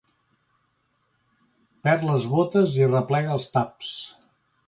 Perd les botes i arreplega els taps.